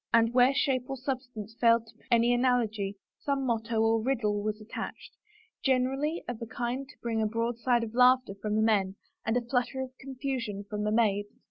And where shape or substance failed to permit any analogy, some motto or riddle was attached — generally of a kind 5 45 THE FAVOR OF KINGS to bring a broadside of laughter from the men and a flutter of confusion from the maids.